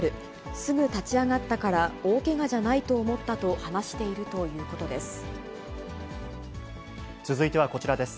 すぐ立ち上がったから大けがじゃないと思ったと話しているという続いてはこちらです。